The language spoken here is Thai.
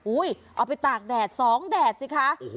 เอาไปตากแดด๒แดดสิคะ